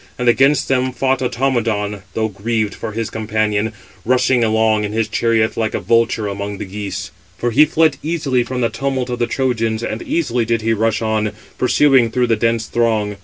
And against them 561 fought Automedon, though grieved for his companion, rushing along in his chariot like a vulture among the geese. For he fled easily from the tumult of the Trojans, and easily did he rush on, pursuing through the dense throng.